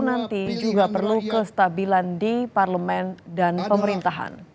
nanti juga perlu kestabilan di parlemen dan pemerintahan